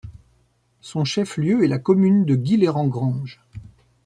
Son chef-lieu est la commune de Guilherand-Granges.